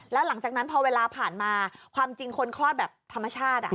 แล้วหลังจากนั้นพอเวลาผ่านมาความจริงคนคลอดแบบธรรมชาติ